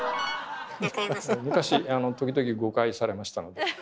昔時々誤解されましたので。